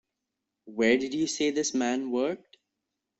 Where did you say this man worked?